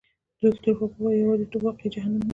ویکتور هوګو وایي یوازیتوب واقعي جهنم دی.